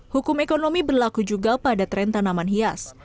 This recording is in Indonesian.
hukum ekonomi berlaku juga pada tren tanaman hias